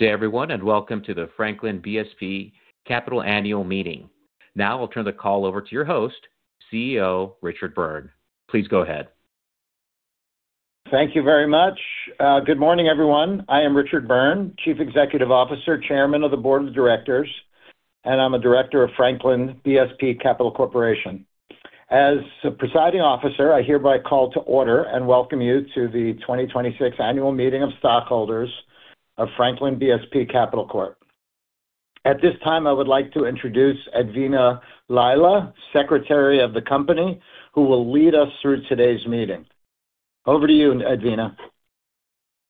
Good day, everyone, and welcome to the Franklin BSP Capital annual meeting. I'll turn the call over to your host, CEO Richard Byrne. Please go ahead. Thank you very much. Good morning, everyone. I am Richard Byrne, Chief Executive Officer, Chairman of the Board of Directors, and I'm a Director of Franklin BSP Capital Corporation. As the presiding officer, I hereby call to order and welcome you to the 2026 annual meeting of stockholders of Franklin BSP Capital Corp. At this time, I would like to introduce Edvina Lila, Secretary of the company, who will lead us through today's meeting. Over to you, Edvina.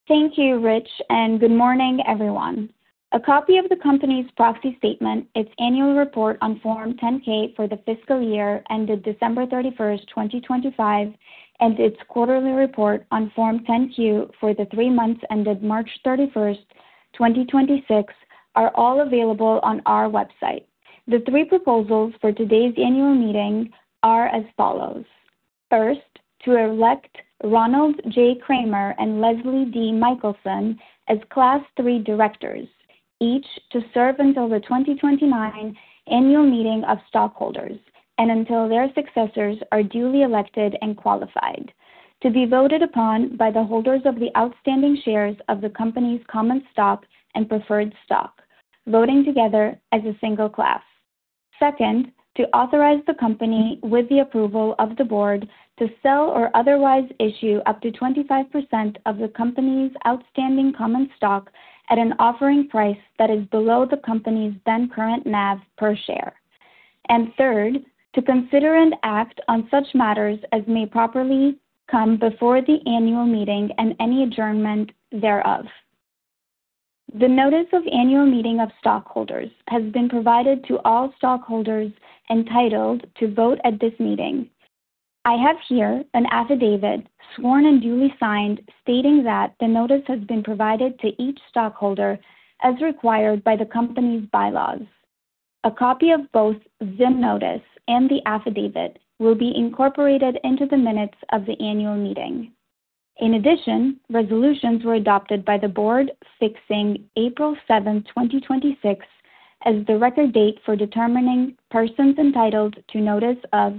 Thank you, Rich, and good morning, everyone. A copy of the company's proxy statement, its annual report on Form 10-K for the fiscal year ended December 31st, 2025, and its quarterly report on Form 10-Q for the three months ended March 31st, 2026, are all available on our website. The three proposals for today's annual meeting are as follows. First, to elect Ronald J. Kramer and Leslie D. Michelson as Class III directors, each to serve until the 2029 annual meeting of stockholders and until their successors are duly elected and qualified, to be voted upon by the holders of the outstanding shares of the company's common stock and preferred stock, voting together as a single class. Second, to authorize the company with the approval of the board, to sell or otherwise issue up to 25% of the company's outstanding common stock at an offering price that is below the company's then-current NAV per share. Third, to consider and act on such matters as may properly come before the annual meeting and any adjournment thereof. The notice of annual meeting of stockholders has been provided to all stockholders entitled to vote at this meeting. I have here an affidavit, sworn and duly signed, stating that the notice has been provided to each stockholder as required by the company's bylaws. A copy of both the notice and the affidavit will be incorporated into the minutes of the annual meeting. In addition, resolutions were adopted by the board fixing April 7th, 2026, as the record date for determining persons entitled to notice of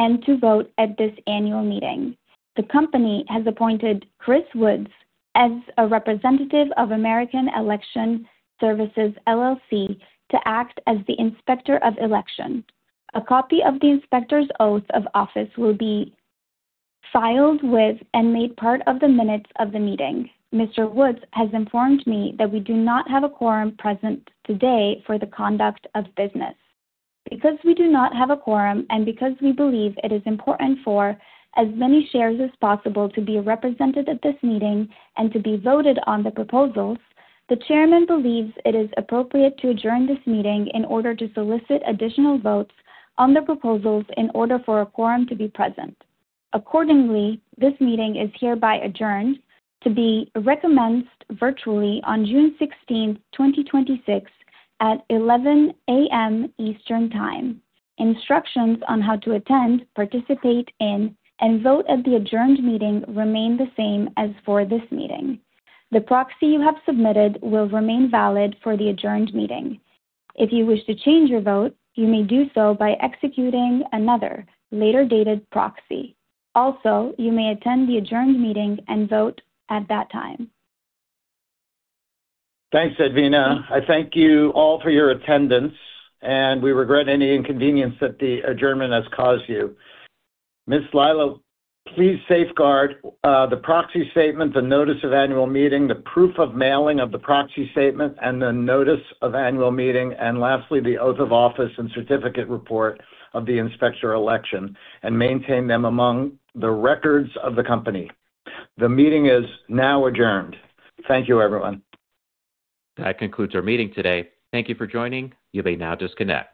and to vote at this annual meeting. The company has appointed Chris Woods as a representative of American Election Services, LLC to act as the Inspector of Election. A copy of the inspector's oath of office will be filed with and made part of the minutes of the meeting. Mr. Woods has informed me that we do not have a quorum present today for the conduct of business. We do not have a quorum and because we believe it is important for as many shares as possible to be represented at this meeting and to be voted on the proposals, the Chairman believes it is appropriate to adjourn this meeting in order to solicit additional votes on the proposals in order for a quorum to be present. Accordingly, this meeting is hereby adjourned to be reconvened virtually on June 16th, 2026, at 11:00 A.M. Eastern Time. Instructions on how to attend, participate in, and vote at the adjourned meeting remain the same as for this meeting. The proxy you have submitted will remain valid for the adjourned meeting. If you wish to change your vote, you may do so by executing another later-dated proxy. You may attend the adjourned meeting and vote at that time. Thanks, Edvina. I thank you all for your attendance, and we regret any inconvenience that the adjournment has caused you. Ms. Lila, please safeguard the proxy statement, the notice of annual meeting, the proof of mailing of the proxy statement and the notice of annual meeting, and lastly, the oath of office and certificate report of the Inspector of Election and maintain them among the records of the company. The meeting is now adjourned. Thank you, everyone. That concludes our meeting today. Thank Thank you for joining. You may now disconnect.